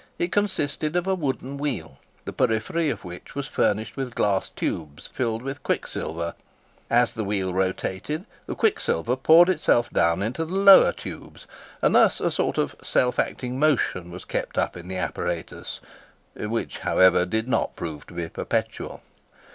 It consisted of a wooden wheel, the periphery of which was furnished with glass tubes filled with quicksilver; as the wheel rotated, the quicksilver poured itself down into the lower tubes, and thus a sort of self acting motion was kept up in the apparatus, which, however, did not prove to be perpetual.